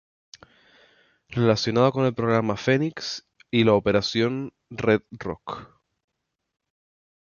Relacionado con el Programa Phoenix y a la Operación Red Rock.